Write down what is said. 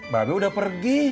babel udah pergi